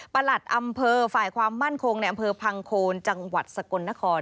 หลัดอำเภอฝ่ายความมั่นคงในอำเภอพังโคนจังหวัดสกลนคร